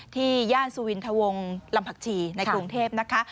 ย่านสุวินทวงลำผักชีในกรุงเทพนะคะ